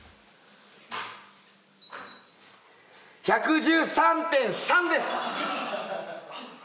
１１３．３です。